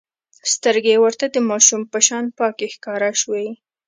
سترګې يې ورته د ماشوم په شان پاکې ښکاره شوې.